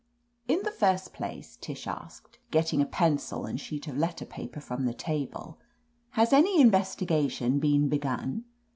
"In the first place," Tish asked, getting a pencil and sheet of letter paper from the table, "has any investigation been begun